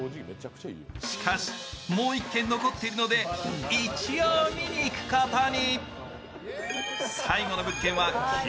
しかし、もう１軒残っているので一応見に行くことに。